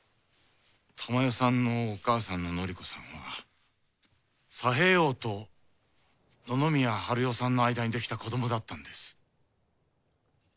珠世さんのお母さんの祝子さんは佐兵衛翁と野々宮晴世さんの間にできた子どもだったんです。